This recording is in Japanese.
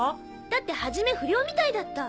だって初め不良みたいだった。